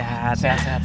sehat sehat sehat